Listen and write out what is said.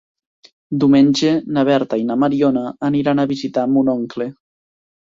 Diumenge na Berta i na Mariona aniran a visitar mon oncle.